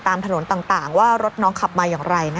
ตามถนนต่างว่ารถน้องขับมาอย่างไร